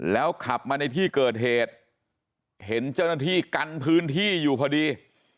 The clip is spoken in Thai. แล้วขับมาในที่เกิดเหตุเห็นเจ้าหน้าที่กันพื้นที่อยู่พอดี